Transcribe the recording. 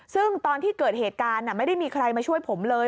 ซึ่งตอนที่เกิดเหตุการณ์ไม่ได้มีใครมาช่วยผมเลย